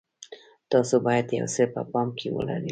تاسو باید یو څه په پام کې ولرئ.